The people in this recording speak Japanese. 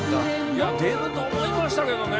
いや出ると思いましたけどね。